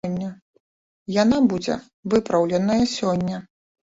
Яна будзе выпраўленая сёння.